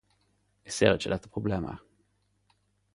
Eg ser ikkje dette problemet.